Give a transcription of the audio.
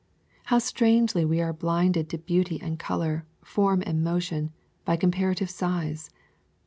How strangely we are blinded to beauty and color, form and motion, by comparative size!